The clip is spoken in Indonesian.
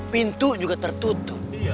pintu juga tertutup